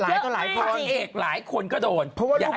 ไม่มีตัวผสมนะ